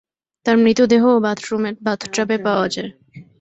তাঁর মৃতদেহও বাথরুমের বাথটাবে পাওয়া যায়।